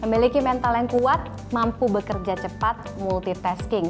memiliki mental yang kuat mampu bekerja cepat multitasking